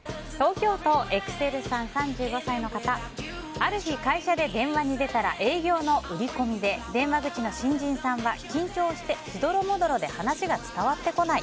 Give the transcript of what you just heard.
ある日、会社で電話に出たら営業の売り込みで電話口の新人さんは緊張してしどろもどろで話が伝わってこない。